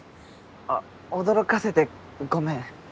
あっ驚かせてごめん。